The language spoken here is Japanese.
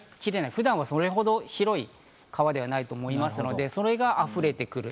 普段はそれほど広い川ではないと思いますので、それが溢れてくる。